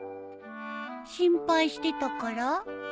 心配してたから？